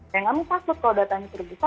ya kami takut kalau datanya terbuka